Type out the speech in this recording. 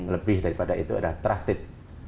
lebih daripada itu adalah trusted